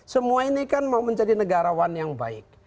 semua ini kan mau menjadi negarawan yang baik